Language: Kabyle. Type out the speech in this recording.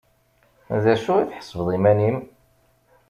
D acu i tḥesbeḍ iman-im?